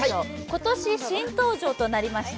今年新登場となりました